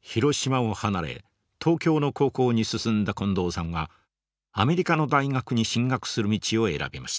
広島を離れ東京の高校に進んだ近藤さんはアメリカの大学に進学する道を選びました。